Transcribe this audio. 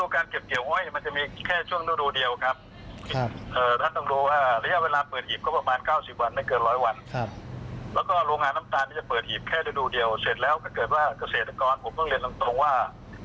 เกิดแล้วก็เกิดว่ากเกษตรกรผมเพิ่งเรียนลำตรงว่า